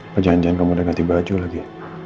atau jangan jangan kamu udah ganti baju lagi